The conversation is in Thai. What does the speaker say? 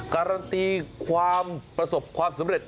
การันตีความประสบความสำเร็จ